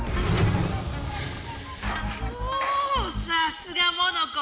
おおさすがモノコ。